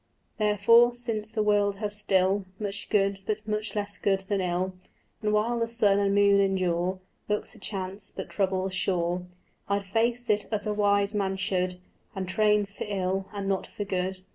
Therefore, since the world has still Much good, but much less good than ill, And while the sun and moon endure Luck's a chance, but trouble's sure, I'd face it as a wise man would, And train for ill and not for good.